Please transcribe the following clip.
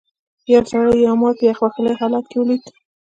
یو سړي یو مار په یخ وهلي حالت کې ولید.